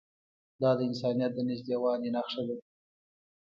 دا د انسانیت د نږدېوالي نښه ده.